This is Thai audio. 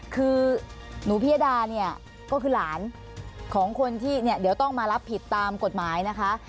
คือหนูพิยดาเนี่ยก็คือหลานของคนที่เนี่ยเดี๋ยวต้องมารับผิดตามกฎหมายนะคะ